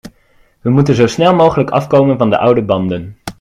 We moeten zo snel mogelijk afkomen van de oude banden.